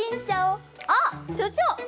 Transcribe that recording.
あっ所長！